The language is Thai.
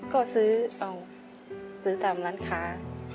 ก็ซื้อเอาซื้อตามร้านค้า